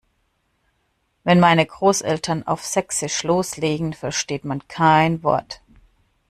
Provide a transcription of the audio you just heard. Wenn meine Großeltern auf sächsisch loslegen, versteht man kein Wort.